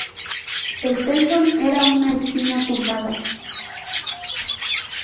El telson era una espina curvada.